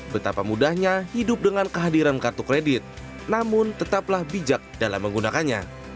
betapa mudahnya hidup dengan kehadiran kartu kredit namun tetaplah bijak dalam menggunakannya